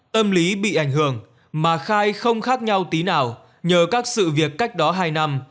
tâm lý bị ảnh hưởng mà khai không khác nhau tí nào nhờ các sự việc cách đó hai năm